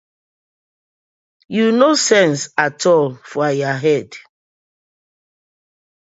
Yu no sence atol for yah head.